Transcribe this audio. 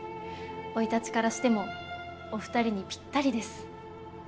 生い立ちからしてもお二人にピッタリです。